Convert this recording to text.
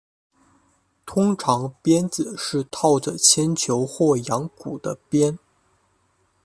通常鞭子是套着铅球或羊骨的鞭。